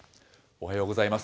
おはようございます。